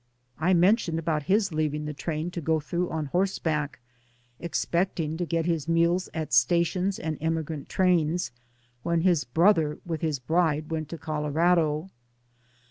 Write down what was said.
I mentioned about his leaving the train to go through on horseback, expecting to get his meals at stations and emigrant trains, when his brother with his bride went to Colorado.